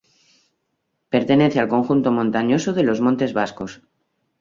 Pertenece al conjunto montañoso de los Montes Vascos.